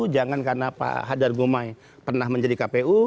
jangan karena pak hadar gumai pernah menjadi kpu